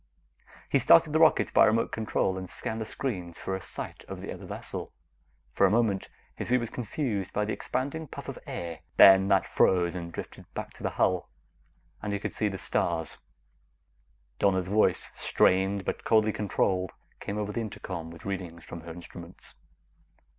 He started the rockets by remote control, and scanned the screens for a sight of the other vessel. For a moment, his view was confused by the expanding puff of air; then that froze, and drifted back to the hull, and he could see the stars. Donna's voice, strained but coldly controlled, came over the intercom with readings from her instruments.